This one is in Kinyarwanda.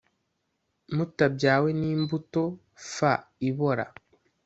mutabyawe n imbuto f ibora